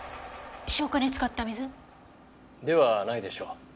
消火に使った水？ではないでしょう。